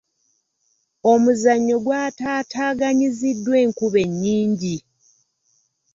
Omuzannyo gw'ataataaganyiziddwa enkuba ennyingi.